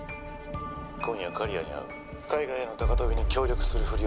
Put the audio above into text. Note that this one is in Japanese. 「今夜刈谷に会う」「海外への高飛びに協力するふりをして」